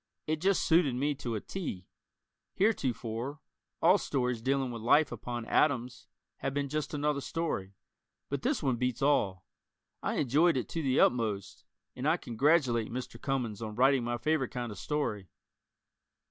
It just suited me to a "T." Heretofore, all stories dealing with life upon atoms have been "just another story," but this one beats all. I enjoyed it to the utmost, and I congratulate Mr. Cummings on writing my favorite kind of story.